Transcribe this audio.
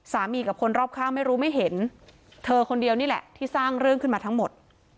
กับคนรอบข้างไม่รู้ไม่เห็นเธอคนเดียวนี่แหละที่สร้างเรื่องขึ้นมาทั้งหมด